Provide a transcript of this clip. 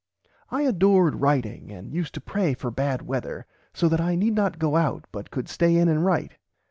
"I adored writing and used to pray for bad weather, so that I need not go out but could stay in and write."